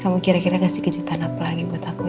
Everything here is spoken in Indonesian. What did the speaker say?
kamu kira kira kasih kecintaan apa lagi buat aku